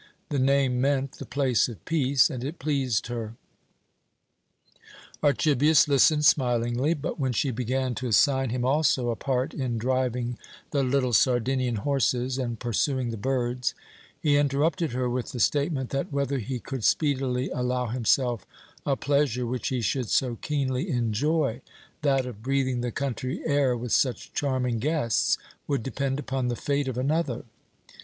The name meant "The place of peace," and it pleased her. Archibius listened smilingly; but when she began to assign him also a part in driving the little Sardinian horses and pursuing the birds, he interrupted her with the statement that whether he could speedily allow himself a pleasure which he should so keenly enjoy that of breathing the country air with such charming guests would depend upon the fate of another.